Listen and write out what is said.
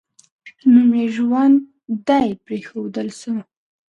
نوم یې ژوندی پرېښودل سو.